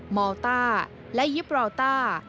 อลต้าและยิปรอต้า